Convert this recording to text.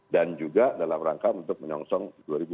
dan juga dalam rangka untuk menyongsong dua ribu dua puluh empat